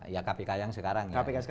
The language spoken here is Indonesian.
ya kpk yang sekarang ya